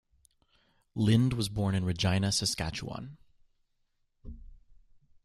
Lind was born in Regina, Saskatchewan.